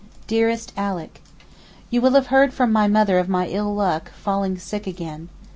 DEAREST ALICK, You will have heard from my mother of my ill luck, falling sick again.